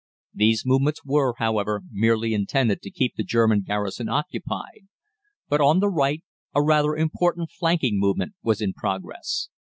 These movements were, however, merely intended to keep the German garrison occupied. But on the right a rather important flanking movement was in progress.